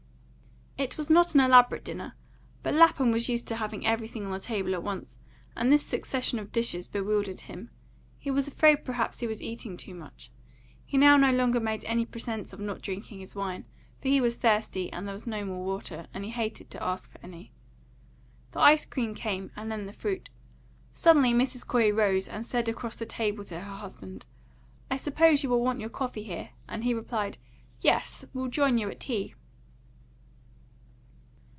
It was not an elaborate dinner; but Lapham was used to having everything on the table at once, and this succession of dishes bewildered him; he was afraid perhaps he was eating too much. He now no longer made any pretence of not drinking his wine, for he was thirsty, and there was no more water, and he hated to ask for any. The ice cream came, and then the fruit. Suddenly Mrs. Corey rose, and said across the table to her husband, "I suppose you will want your coffee here." And he replied, "Yes; we'll join you at tea."